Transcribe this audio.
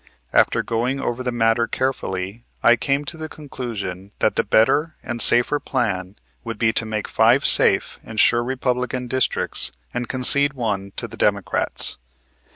After going over the matter carefully I came to the conclusion that the better and safer plan would be to make five safe and sure Republican districts and concede one to the Democrats.